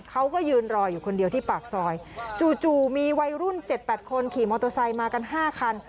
เขาก็ยืนรออยู่คนเดียวที่ปากซอยจู่มีวัยรุ่น๗๘คนขี่มอเตอร์ไซค์มากัน๕คัน